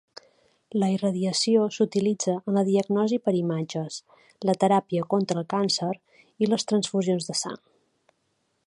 La irradiació s'utilitza en la diagnosi per imatges, la teràpia contra el càncer i les transfusions de sang.